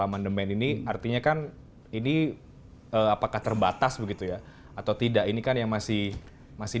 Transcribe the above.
amandemen ini artinya kan ini apakah terbatas begitu ya atau tidak ini kan yang masih masih